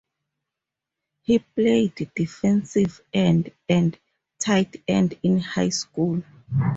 He played defensive end and tight end in high school.